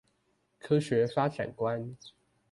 科學發展觀